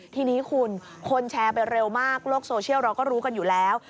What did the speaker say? ทีนี้คุณคนแชร์ไปเร็วมากโลกโซเชียลเราก็รู้กันอยู่แล้ว